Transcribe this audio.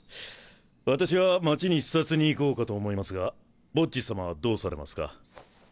私は町に視察に行こうかと思いますがボッジ様はどうされますか？